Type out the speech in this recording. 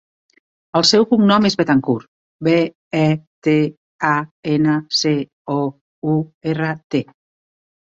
El seu cognom és Betancourt: be, e, te, a, ena, ce, o, u, erra, te.